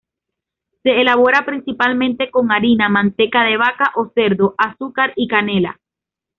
Se elabora principalmente con harina, manteca de vaca o cerdo, azúcar y canela.